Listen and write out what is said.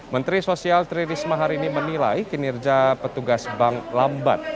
menteri sosial tri risma hari ini menilai kinerja petugas bank lambat